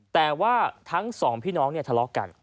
แต่ว่าทั้งสองพี่น้องเนี่ยทะเลาะกัน